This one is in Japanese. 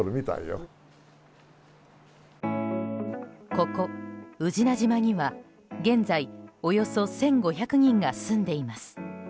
ここ、宇品島には現在、およそ１５００人が住んでいます。